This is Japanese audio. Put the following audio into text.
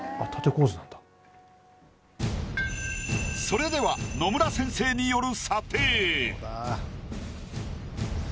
それでは野村先生による。